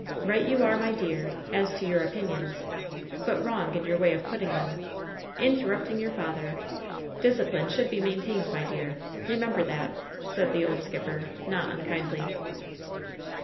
Eight you are, my dear, as to your opinions, but wrong in your way of putting them. In terrupting your father. Discipline should be main WHEN SHADOWS DIE 41 tained, my dear. Remember that!" said the old skipper, not unkindly.